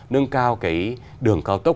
nâng cao cái đường cao tốc